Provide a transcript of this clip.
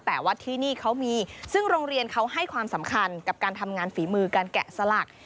แต่ว่าที่นี่เขามีซึ่งโรงเรียนเขาให้ความสำคัญกับการทำงานฝีมือการแกะสลัก